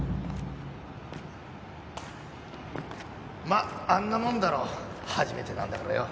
まああんなもんだろ初めてなんだからよ。